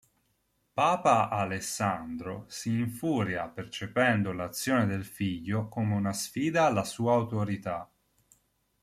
Papa Alessandro si infuria percependo l'azione del figlio come una sfida alla sua autorità.